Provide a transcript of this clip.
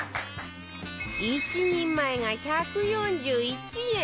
１人前が１４１円